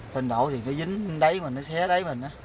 lên đổ thì nó dính đáy mình nó xé đáy mình á